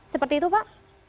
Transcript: seperti itu pak